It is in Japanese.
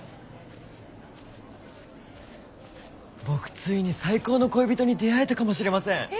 僕ついに最高の恋人に出会えたかもしれません。